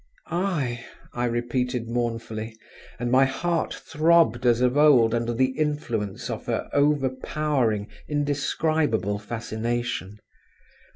"I?" I repeated mournfully, and my heart throbbed as of old under the influence of her overpowering, indescribable fascination.